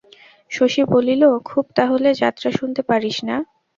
শশী বলিল, খুব তাহলে যাত্রা শুনতে পারিস, না?